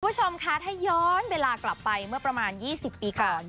คุณผู้ชมคะถ้าย้อนเวลากลับไปเมื่อประมาณ๒๐ปีก่อน